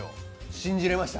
信じれました。